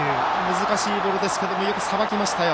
難しいボールですがよくさばきましたよ。